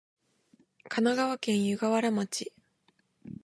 神奈川県湯河原町